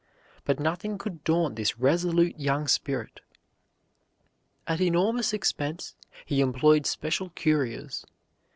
But nothing could daunt this resolute young spirit. At enormous expense he employed special couriers.